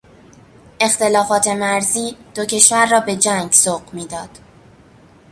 اختلافات مرزی، دو کشور را به جنگ سوق میداد.